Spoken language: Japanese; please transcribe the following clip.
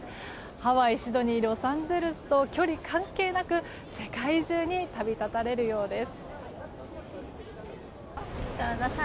ハワイ、シドニーロサンゼルスと距離関係なく世界中に旅立たれるようです。